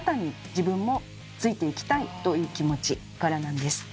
自分もついていきたいという気持ちからなんです。